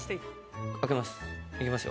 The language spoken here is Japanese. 開けます。